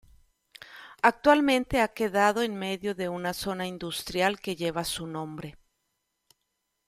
Actualmente ha quedado en medio de una zona industrial que lleva su nombre.